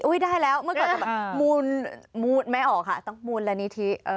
อุ๊ยได้แล้วเมื่อก่อนมูลไม่ออกค่ะต้องมูลละนิทิ